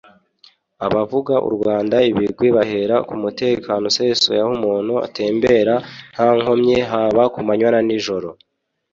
Abavuga u Rwanda ibigwi bahera ku mutekano usesuye aho umuntu atembera nta nkomyi haba ku manywa na nijoro